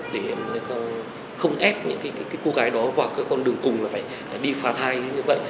để không ép những cái cô gái đó vào các con đường cùng là phải đi phá thai như vậy